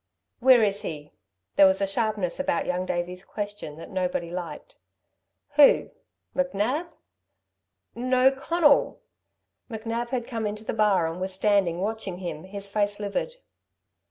"Where is he?" There was a sharpness about Young Davey's question that nobody liked. "Who? McNab?" "No, Conal!" McNab had come into the bar and was standing watching him, his face livid.